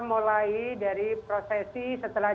mulai dari prosesi setelah